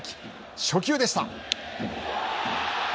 初球でした。